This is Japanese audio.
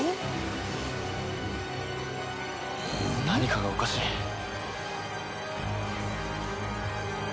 何かがおかしい。